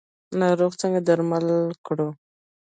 ناروغي څنګه درمل کړو؟